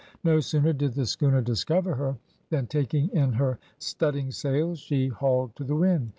No sooner did the schooner discover her, than taking in her studding sails she hauled to the wind.